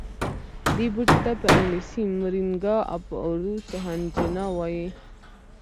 دې بوټي ته په انګلیسي مورینګا او په اردو سوهنجنا وايي